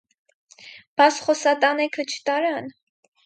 - Բաս խո սատանեքը չտարան: